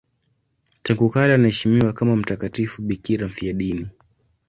Tangu kale anaheshimiwa kama mtakatifu bikira mfiadini.